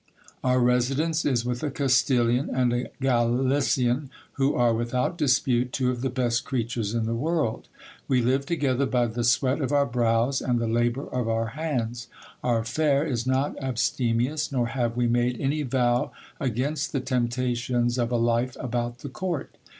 Our residence is with a Castilian and a Galician, who are, without dispute, two of the best creatures in the world. We live together by the sweat of our brows, and the labour of our hands. Our fare is not abstemious, nor have we made any vow against the temptations of a life about the court.